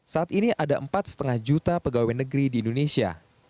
saat ini ada empat lima juta pegawai negeri di indonesia